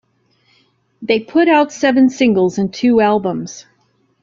They put out seven singles and two albums.